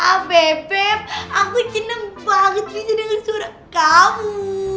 ah bebek aku seneng banget bisa denger suara kamu